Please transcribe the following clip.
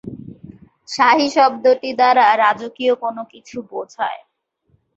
শাহী শব্দটি দ্বারা রাজকীয় কোনো কিছু বুঝায়।